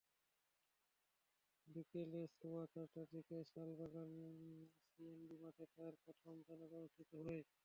বিকেল সোয়া চারটার দিকে শালবাগান সিঅ্যান্ডবি মাঠে তাঁর প্রথম জানাজা অনুষ্ঠিত হয়।